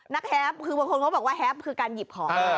นักแฮปคือบางคนว่าแฮปคือการหยิบของ